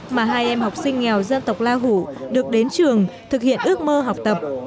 mà hai em học sinh nghèo dân tộc la hủ được đến trường thực hiện ước mơ học tập